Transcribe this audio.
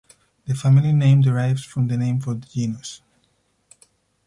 The family name derives from the name for the genus.